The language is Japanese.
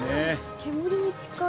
◆煙に近い◆